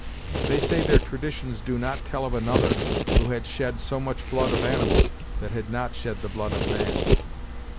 They say their traditions do not tell of another who had shed so much blood of animals that had not shed the blood of man."